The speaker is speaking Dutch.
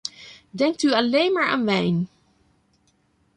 Denkt u alleen maar aan wijn.